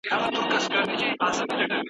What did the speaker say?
د کاغذ روښنایي د هماغه وخت حقیقت وایي.